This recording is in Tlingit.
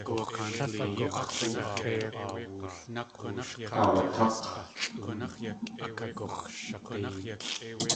Aawaták̲.